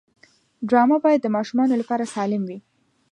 ډرامه باید د ماشومانو لپاره سالم وي